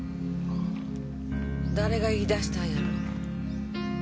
誰が言い出したんやろ。